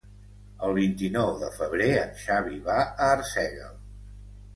El vint-i-nou de febrer en Xavi va a Arsèguel.